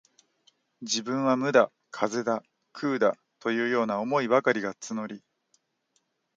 自分は無だ、風だ、空だ、というような思いばかりが募り、